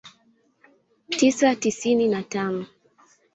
tisa tisini na tano